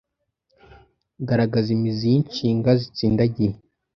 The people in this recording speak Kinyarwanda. Garagaza imizi y’inshinga zitsindagiye